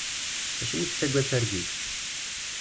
Acimi i yettaggad targit?